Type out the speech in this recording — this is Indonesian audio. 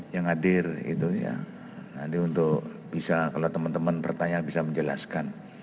yang hadir itu ya nanti untuk bisa kalau teman teman bertanya bisa menjelaskan